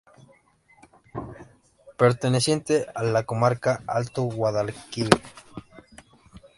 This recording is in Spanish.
Perteneciente a la comarca Alto Guadalquivir.